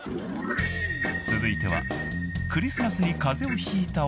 ［続いては］